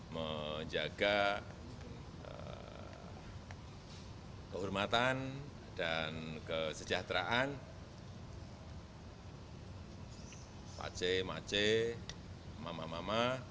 menjaga kehormatan dan kesejahteraan pak aceh mak aceh mama mama